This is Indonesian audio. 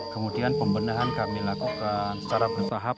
kemudian pembendahan kami lakukan secara bersahab